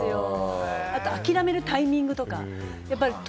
あと諦めるタイミングとか。